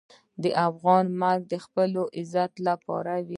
د افغان مرګ د خپل عزت لپاره وي.